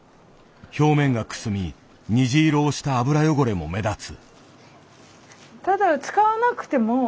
表面がくすみ虹色をした油汚れも目立つ。